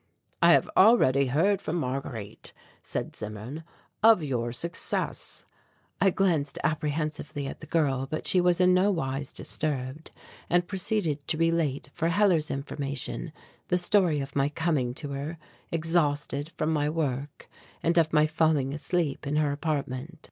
"I have already heard from Marguerite," said Zimmern, "of your success." I glanced apprehensively at the girl but she was in no wise disturbed, and proceeded to relate for Hellar's information the story of my coming to her exhausted from my work and of my falling asleep in her apartment.